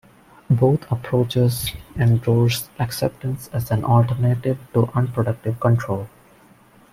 Both approaches endorse acceptance as an alternative to unproductive control.